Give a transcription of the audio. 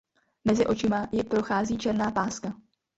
Mezi očima ji prochází černá páska.